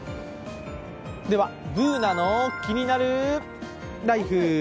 では「ＢｏｏｎａのキニナルＬＩＦＥ」。